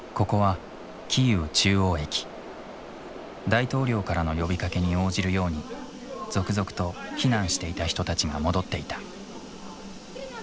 大統領からの呼びかけに応じるように続々と避難していた人たちが戻っていた。